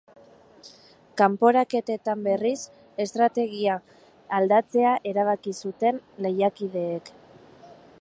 Kanporaketetan, berriz, estrategia aldatzea erabaki zuten lehiakideek.